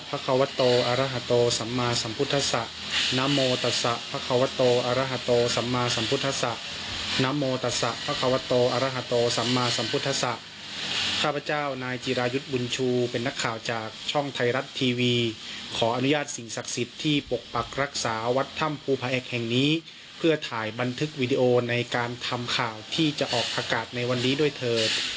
รักษาวัดธรรมภูผาแอกแห่งนี้เพื่อถ่ายบันทึกวิดีโอในการทำข่าวที่จะออกประกาศในวันนี้ด้วยเถิด